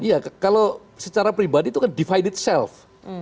iya kalau secara pribadi itu kan divided self